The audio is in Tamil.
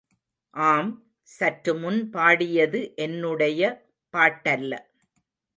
ஆம், சற்றுமுன் பாடியது என்னுடைய பாட்டல்ல.